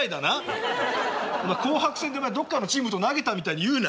お前紅白戦でどっかのチームと投げたみたいに言うな。